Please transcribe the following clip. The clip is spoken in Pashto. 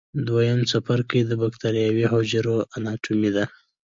دویم څپرکی د بکټریاوي حجرو اناټومي ده.